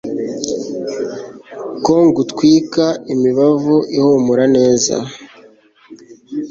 Ko ngutwika imibavu ihumura neza